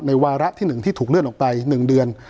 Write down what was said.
ในวาระที่หนึ่งที่ถูกเลื่อนออกไปหนึ่งเดือน